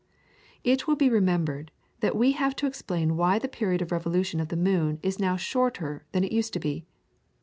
It will be remembered that we have to explain why the period of revolution of the moon is now shorter than it used to be.